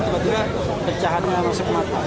tiba tiba pecahannya masuk ke mata